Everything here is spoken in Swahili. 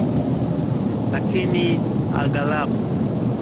lakini aghalabu